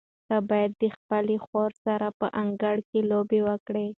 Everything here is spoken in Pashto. ته باید د خپلې خور سره په انګړ کې لوبې وکړې.